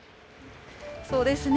そうですね。